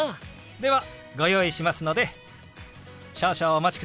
ではご用意しますので少々お待ちくださいね。